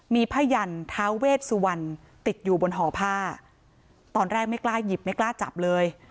มีผ้ายันท้าเวชสุวรรณติดอยู่บนห่อผ้าตอนแรกไม่กล้าหยิบไม่กล้าจับเลย